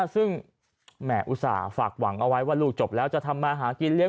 ซึ่งแหมอุตส่าห์ฝากหวังเอาไว้ว่าลูกจบแล้วจะทำมาหากินเลี้ย